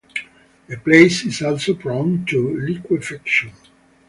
The place is also prone to liquefaction.